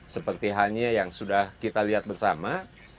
seperti halnya yang sudah kita lihat bersama